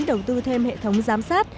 đầu tư thêm hệ thống giám sát